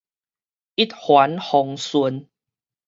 一帆風順